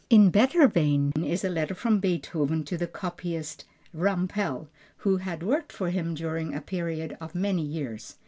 In better vein is a letter from Beethoven to the copyist Rampel, who had worked for him during a period of many years.